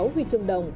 sáu huy chương đồng